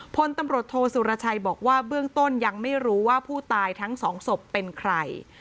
พลตำรวจโทสุรชัยบอกว่าเบื้องต้นยังไม่รู้ว่าผู้ตายทั้งสองศพเป็นใคร